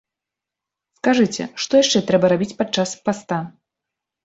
Скажыце, што яшчэ трэба рабіць падчас паста?